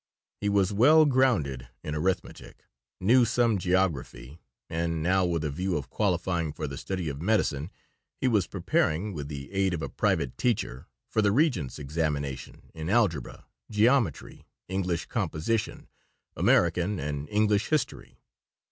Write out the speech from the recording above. He was well grounded in arithmetic, knew some geography, and now with a view of qualifying for the study of medicine, he was preparing, with the aid of a private teacher, for the Regents' examination in algebra, geometry, English composition, American and English history.